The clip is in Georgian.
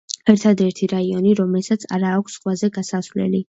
ერთადერთი რაიონი, რომელსაც არ აქვს ზღვაზე გასასვლელი.